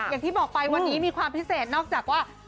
อย่างที่บอกไปวันนี้มีความพิเศษนอกจากว่า